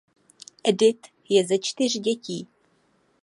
Edith je ze čtyř dětí.